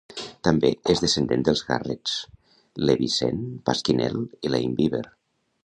També és descendent dels Garretts, Levi Zendt, Pasquinel i Lame Beaver.